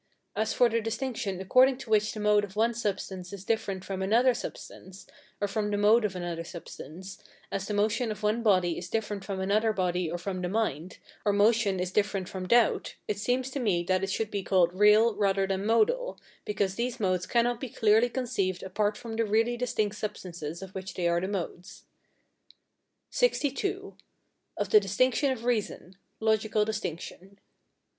As for the distinction according to which the mode of one substance is different from another substance, or from the mode of another substance, as the motion of one body is different from another body or from the mind, or as motion is different from doubt, it seems to me that it should be called real rather than modal, because these modes cannot be clearly conceived apart from the really distinct substances of which they are the modes. LXII. Of the distinction of reason (logical distinction).